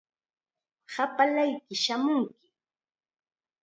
Hapallaykim shamunki.